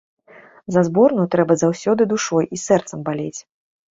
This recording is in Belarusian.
За зборную трэба заўсёды душой і сэрцам балець.